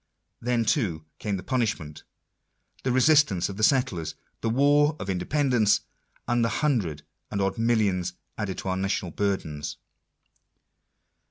Then too came the punishment, the resistance of the settlers, the war of independence, and the hundred and odd millions added to our national burdens